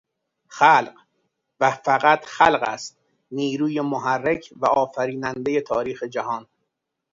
خلق و فقط خلق است نیروی محرک و آفرینندهٔ تاریخ جهان.